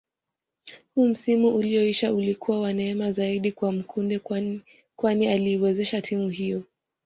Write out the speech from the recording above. Huu msimu ulioisha ulikuwa wa neema zaidi kwa Mkude kwani aliiwezesha timu hiyo